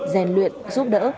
giàn luyện giúp đỡ